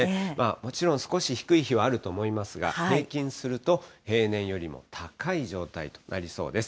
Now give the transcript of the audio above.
もちろん少し低い日はあると思いますが、平均すると平年よりも高い状態となりそうです。